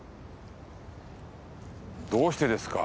どうしてですか？